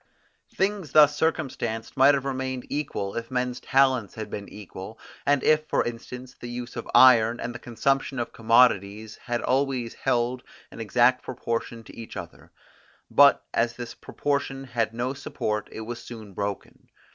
Things thus circumstanced might have remained equal, if men's talents had been equal, and if, for instance, the use of iron, and the consumption of commodities had always held an exact proportion to each other; but as this proportion had no support, it was soon broken.